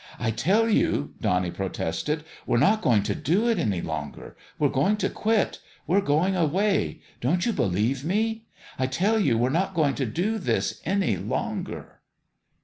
" I tell you," Donnie pro tested, "we're not going to do it any longer. We're going to quit. We're going away. Don't you believe me? I tell you, we're not go ing to do this any longer."